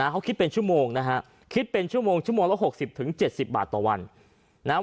เขาคิดเป็นชั่วโมงนะฮะคิดเป็นชั่วโมงชั่วโมงละ๖๐๗๐บาทต่อวันนะครับ